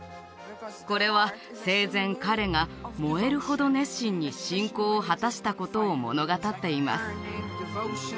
これは生前彼が燃えるほど熱心に信仰を果たしたことを物語っています